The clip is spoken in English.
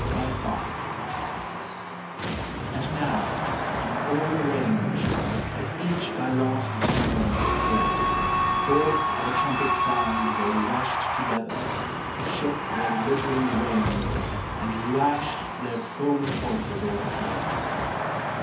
] BY SOPHOCLES And now, in order ranged, as each by lot Determined stood, forth at the trumpet's sound They rush'd together, shook their glittering reins, And lash'd their foaming coursers o'er the plain.